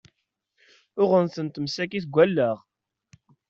Uɣen-tent msakit deg allaɣ!